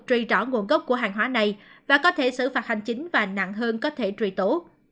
truy rõ nguồn gốc của hàng hóa này và có thể xử phạt hành chính và nặng hơn có thể truy tố